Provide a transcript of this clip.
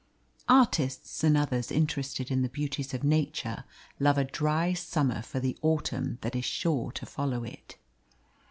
Artists and others interested in the beauties of nature love a dry summer for the autumn that is sure to follow it.